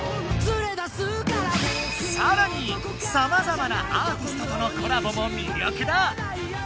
さらにさまざまなアーティストとのコラボもみりょくだ！